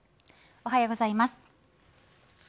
おはようございます。